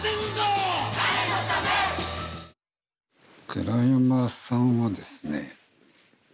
寺山さんはですね